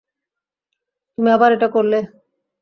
তুমি আবার এটা করলে।